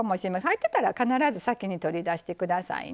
入ってたら必ず先に取り出してくださいね。